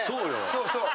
そうそう。